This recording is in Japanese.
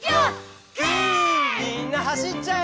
「みんなはしっちゃえ！」